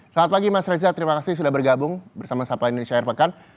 selamat pagi mas reza terima kasih sudah bergabung bersama sapa indonesia air pekan